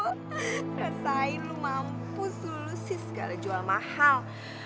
rasain lo mampus lo si segala jual mahal